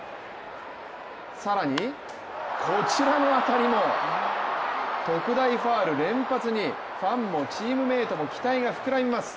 更に、こちらの当たりも特大ファウル連発にファンもチームメートも期待が膨らみます。